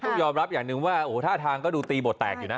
ต้องยอมรับอย่างหนึ่งว่าท่าทางก็ดูตีบทแตกอยู่นะ